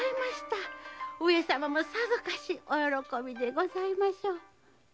上様もさぞかしお喜びでございましょう。